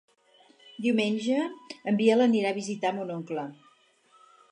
Diumenge en Biel anirà a visitar mon oncle.